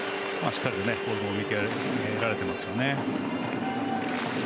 しっかりとボールも見極められてますね。